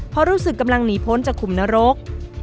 เพราะรู้สึกกำลังหนีพ้นจากขุมนรก